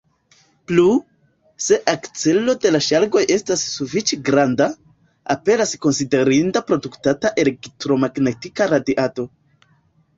Plu, se akcelo de la ŝargoj estas sufiĉe granda, aperas konsiderinda produktata elektromagneta radiado.